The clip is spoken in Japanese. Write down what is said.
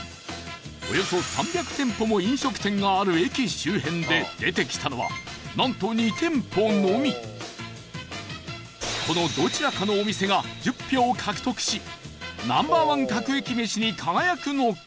およそ３００店舗も飲食店がある駅周辺で出てきたのはなんと２店舗のみこのどちらかのお店が１０票を獲得しＮｏ．１各駅めしに輝くのか？